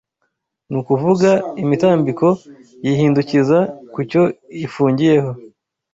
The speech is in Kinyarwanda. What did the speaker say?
n'ukuvuga imitambiko yihindukiza kucyo ifungiyeho